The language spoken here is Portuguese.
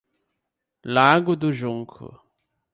Lago do Junco